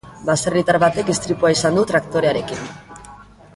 Baserritar batek istripua izan du traktorearekin.